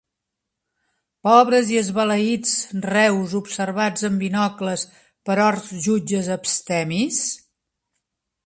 Pobres i Esbalaïts Reus Observats amb Binocles per Orcs Jutges Abstemis?